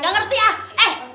gak ngerti ah eh